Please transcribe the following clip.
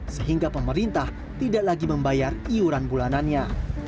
sehingga pemerintah tidak lagi membayar iuran bulanannya